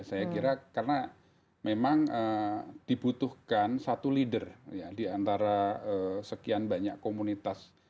saya kira karena memang dibutuhkan satu leader di antara sekian banyak komunitas